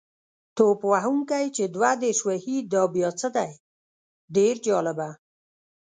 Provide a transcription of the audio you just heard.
توپ وهونکی چې دوه دېرش وهي دا بیا څه دی؟ ډېر جالبه.